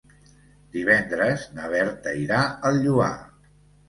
Divendres na Berta irà al Lloar.